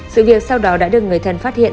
sự việc sau đó đã được người thân phát hiện